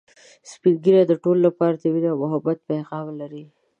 سپین ږیری د ټولو لپاره د ميني او محبت پیغام لري